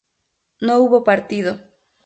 no hubo partido